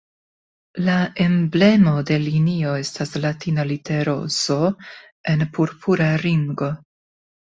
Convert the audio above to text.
La emblemo de linio estas latina litero "Z" en purpura ringo.